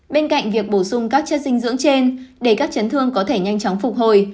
bên cạnh việc bổ sung các chất dinh dưỡng trên để các chấn thương có thể nhanh chóng phục hồi